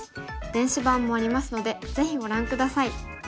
電子版もありますのでぜひご覧下さい。